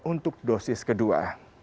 untuk dosis kedua